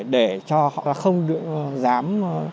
để cho họ không dám